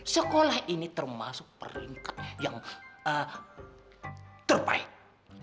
sekolah ini termasuk peringkatnya yang terbaik